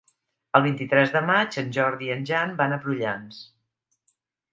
El vint-i-tres de maig en Jordi i en Jan van a Prullans.